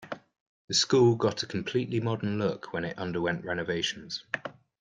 The school got a completely modern look when it underwent renovations.